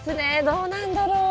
どうなんだろう？